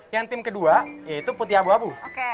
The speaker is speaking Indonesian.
yang tim kedua yaitu putih abu abu